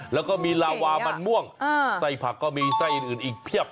แล้วก็มีลาวามันม่วงไส้ผักก็มีไส้อื่นอีกเพียบ